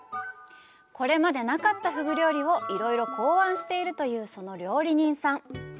これまでなかったフグ料理をいろいろ考案しているというその料理人さん。